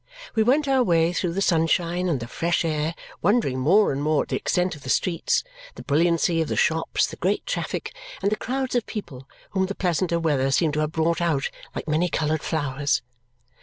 We went our way through the sunshine and the fresh air, wondering more and more at the extent of the streets, the brilliancy of the shops, the great traffic, and the crowds of people whom the pleasanter weather seemed to have brought out like many coloured flowers.